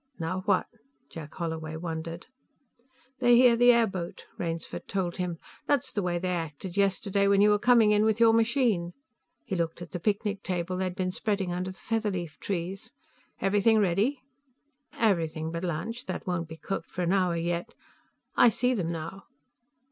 "Now what?" Jack Holloway wondered. "They hear the airboat," Rainsford told him. "That's the way they acted yesterday when you were coming in with your machine." He looked at the picnic table they had been spreading under the featherleaf trees. "Everything ready?" "Everything but lunch; that won't be cooked for an hour yet. I see them now."